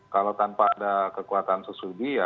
kalau tanpa ada kekuatan sesubi ya